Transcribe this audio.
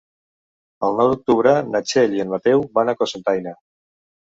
El nou d'octubre na Txell i en Mateu van a Cocentaina.